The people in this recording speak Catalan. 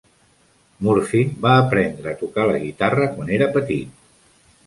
Murphy va aprendre a tocar la guitarra quan era petit.